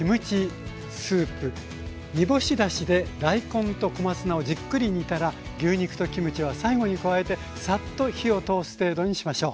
煮干しだしで大根と小松菜をじっくり煮たら牛肉とキムチは最後に加えてさっと火を通す程度にしましょう。